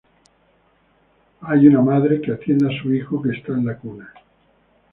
Hay una madre que atiende a su hijo, que está en la cuna.